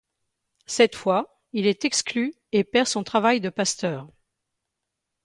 Cette fois, il est exclu et perd son travail de pasteur.